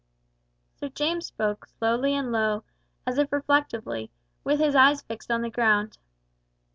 Sir James spoke slowly and low, as if reflectively, with his eyes fixed on the ground.